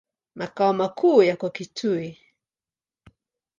Makao makuu yako Kitui.